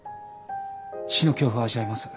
死の恐怖を味わいます。